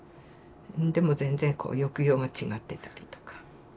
でも全然こう抑揚が違ってたりとか。